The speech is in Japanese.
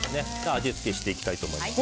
味付けしていきたいと思います。